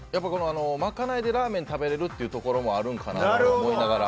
賄いでラーメン食べられるというところもあるんかなと思いながら。